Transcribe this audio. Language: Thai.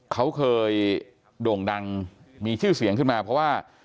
เขาเคยโด่งดังมีชื่อเสียงขึ้นมาเพราะว่า